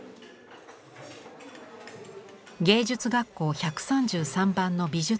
芸術学校１３３番の美術教師